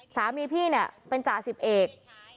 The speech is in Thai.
สามีพี่เป็นจ๋าสิบเอก